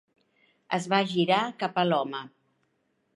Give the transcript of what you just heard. Es va girar cap a l'home.